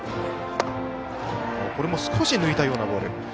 少し抜いたようなボール。